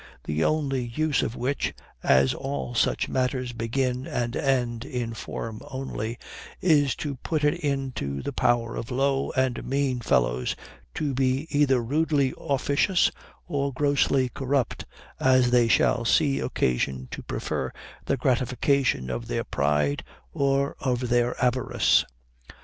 The only use of which, as all such matters begin and end in form only, is to put it into the power of low and mean fellows to be either rudely officious or grossly corrupt, as they shall see occasion to prefer the gratification of their pride or of their avarice.